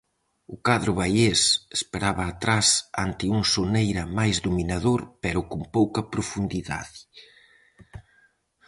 O cadro baiés esperaba atrás ante un Soneira máis dominador pero con pouca profundidade.